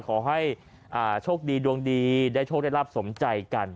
ขอให้โชคดีดวงดีได้โชคได้รับสมใจกัน